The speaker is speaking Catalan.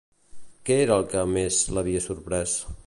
Què era el que més l'havia sorprès?